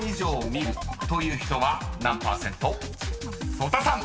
［曽田さん］